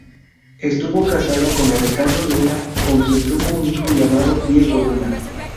Estuvo casada con Alejandro Luna, con quien tuvo un hijo llamado Diego Luna.